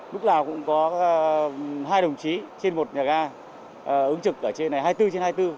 lúc nào cũng có hai đồng chí trên một nhà ga ứng trực ở trên này hai mươi bốn trên hai mươi bốn